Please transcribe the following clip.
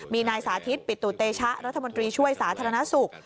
มีนายสาธิตปิตุเตชะรัฐมนตรีช่วยสาธารณสุข